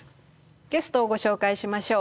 ゲストをご紹介しましょう。